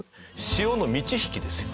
潮の満ち引きですよ。